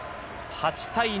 ８対２。